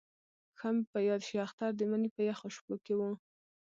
ښه مې په یاد شي اختر د مني په یخو شپو کې وو.